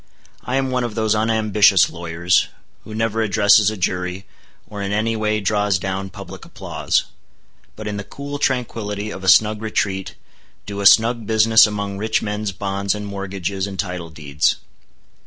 I am one of those unambitious lawyers who never addresses a jury, or in any way draws down public applause; but in the cool tranquility of a snug retreat, do a snug business among rich men's bonds and mortgages and title deeds.